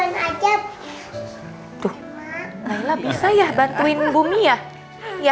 nailah bisa ya bantuin bumi ya ya